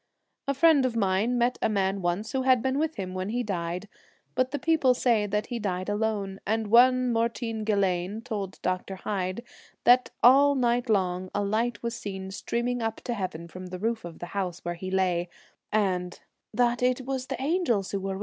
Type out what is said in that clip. A friend of mine met a man once who had been with him when he died, but the people say that he died alone, and one Maurteen Gillane told Dr. Hyde that all night long a light was seen streaming up to heaven from the roof of the house where 47 Th e he lay, and ' that was the angels who were Celtic